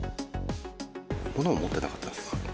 物を持ってなかったんです。